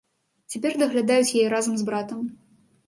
Цяпер даглядаюць яе разам з братам.